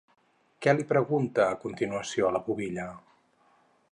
Què li pregunta a continuació la pubilla?